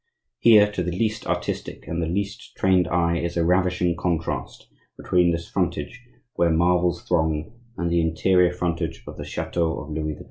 Here, to the least artistic and the least trained eye, is a ravishing contrast between this frontage, where marvels throng, and the interior frontage of the chateau of Louis XII.